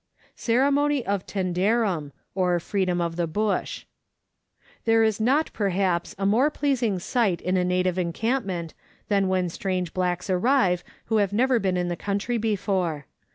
Ceremony of Tanderrum, or Freedom of the Bush. There is not, perhaps, a more pleasing sight in a native encampment than when strange blacks arrive who have never been in the country before.